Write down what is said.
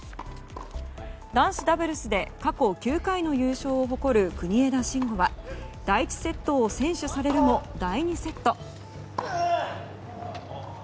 男子ダブルスで過去９回の優勝を誇る国枝慎吾は第１セットを先取されるも第２セット。